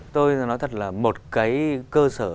tôi nói thật là một cái cơ sở